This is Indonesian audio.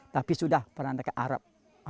tapi sudah perantakan arab